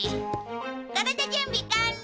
これで準備完了！